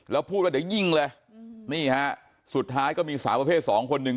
แล้วพูดว่าเดี๋ยวยิงเลยนี่ฮะสุดท้ายก็มีสาวประเภทสองคนหนึ่ง